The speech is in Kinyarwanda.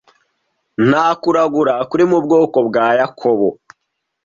Nta kuragura kuri mu bwoko bwa Yakobo